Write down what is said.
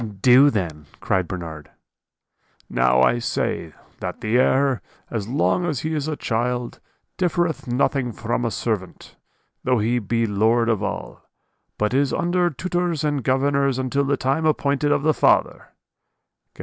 "'Do then!' cried Bernard. "'Now I say, that the heir, as long as he is a child, differeth nothing from a servant, though he be lord of all; but is under tutors and governors until the time appointed of the father' (Gal.